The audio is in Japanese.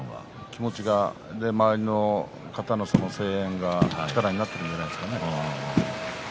周りの方の声援が力になっているんじゃないですか。